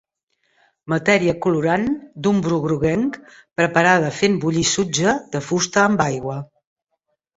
Matèria colorant d'un bru groguenc preparada fent bullir sutge de fusta amb aigua.